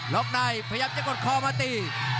ล็อกในพยายามจะกดคอมาตี